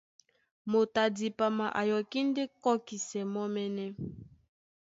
Moto a dipama a yɔkí ndé kɔ́kisɛ mɔ́mɛ́nɛ́.